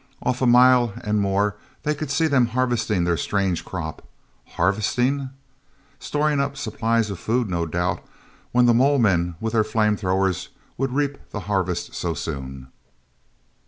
Off a mile and more they could see them harvesting their strange crop—harvesting!—storing up supplies of food, no doubt, when the mole men with their flame throwers would reap the harvest so soon!